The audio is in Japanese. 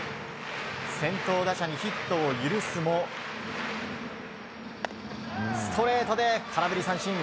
先頭打者にヒットを許すもストレートで空振り三振。